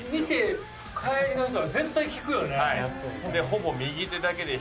ほぼ。